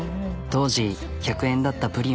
当時１００円だったプリンは。